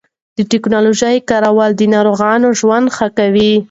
د ټېکنالوژۍ کارول د ناروغانو ژوند ښه کوي.